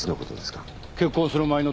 結婚する前の年だ。